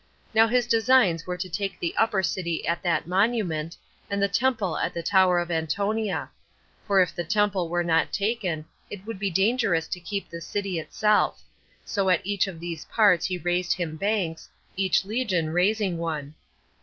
Now his designs were to take the upper city at that monument, and the temple at the tower of Antonia; for if the temple were not taken, it would be dangerous to keep the city itself; so at each of these parts he raised him banks, each legion raising one.